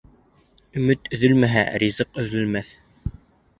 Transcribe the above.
Өмөт өҙөлмәһә, ризык өҙөлмәҫ.